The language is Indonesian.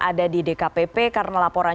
ada di dkpp karena laporan